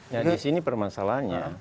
nah disini permasalahannya